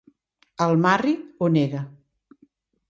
Al-Marri ho nega.